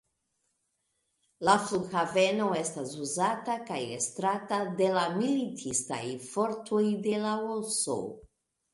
La flughaveno estas uzata kaj estrata de la militistaj fortoj de Laoso.